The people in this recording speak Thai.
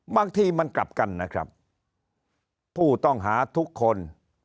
บางทีมันกลับกันนะครับผู้ต้องหาทุกคน